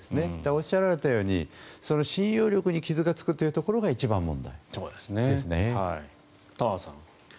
おっしゃられたようにその信用力に傷がつくというところが玉川さん。